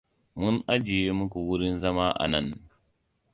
Mun ajiye muku wurin zama a nan.